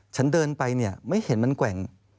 ฉันเดินไปไม่เห็นมันแกว่ง